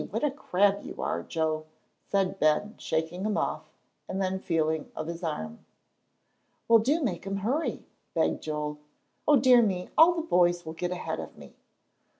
What a crab you are, Joe!" cried Ben, shaking him off, and then feeling of his arm. "Well, do make him hurry," begged Joel. "O dear me, all the boys will get ahead of me!"